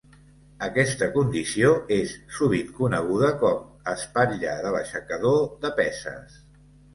Aquesta condició és sovint coneguda com "espatlla de l'aixecador de peses".